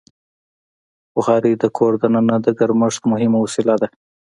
بخاري د کور دننه د ګرمښت مهمه وسیله ده.